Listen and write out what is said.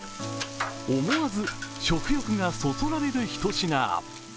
思わず食欲がそそられるひと品。